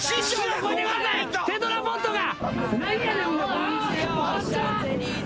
テトラポッドが！